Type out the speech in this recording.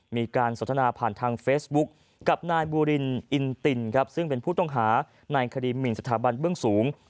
มีการสนทนาผ่านทางเฟซบุ๊คกับนายบูรินอินตินครับซึ่งเป็นผู้ต้องหาในคดีหมินสถาบันเบื้องสูง